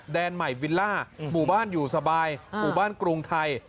ใหม่วิลล่าหมู่บ้านอยู่สบายหมู่บ้านกรุงไทย